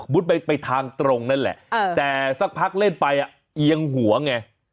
มุดไปไปทางตรงนั่นแหละเออแต่สักพักเล่นไปอ่ะเอียงหัวไง